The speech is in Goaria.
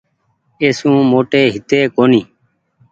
اي سون موٽي هيتي ڪونيٚ۔